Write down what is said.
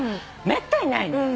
めったにないのよ。